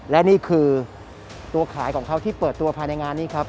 และนี่คือตัวขายของเขาที่เปิดตัวภายในงานนี้ครับ